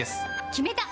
決めた！